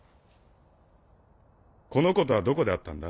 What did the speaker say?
このコとはどこで会ったんだ？